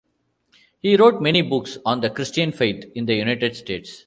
He wrote many books on the Christian faith in the United States.